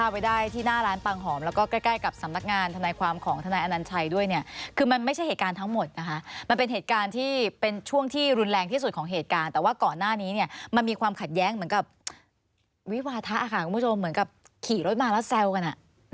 วิวาทะค่ะคุณผู้ชมเหมือนกับขี่รถมาแล้วเซลล์กัน